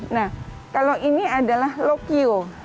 nah kalau ini adalah lokyo